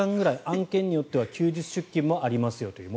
案件によっては休日出勤もありますという。